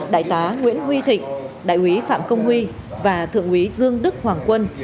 đại tá nguyễn huy thịnh đại quý phạm công huy và thượng quý dương đức hoàng quân